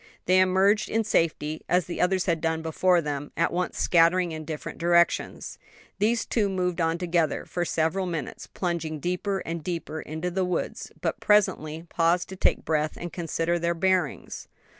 They emerged in safety, as the others had done before them; at once scattering in different directions. These two moved on together, for several minutes, plunging deeper and deeper into the woods, but presently paused to take breath and consider their bearings.